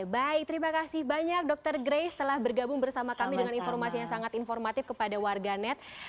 baik terima kasih banyak dokter grace telah bergabung bersama kami dengan informasi yang sangat informatif kepada warganet